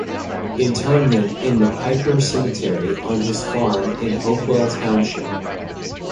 Interment in the Piper Cemetery on his farm in Hopewell Township.